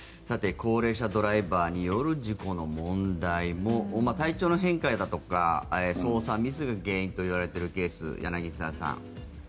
高齢者ドライバーによる事故の問題も体調の変化だとか操作ミスが原因と言われているケース柳澤さん。